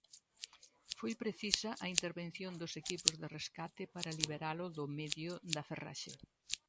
Foi precisa a intervención dos equipos de rescate para liberalo do medio da ferraxe.